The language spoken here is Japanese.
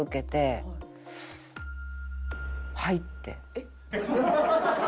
えっ？